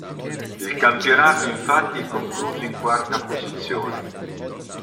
Il campionato infatti è concluso in quarta posizione.